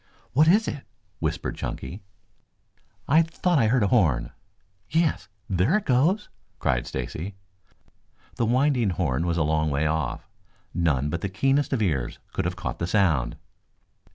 "What is it?" whispered Chunky. "I thought I heard a horn." "Yes, there it goes," cried Stacy. The winding horn was a long way off. None but the keenest of ears could have caught the sound.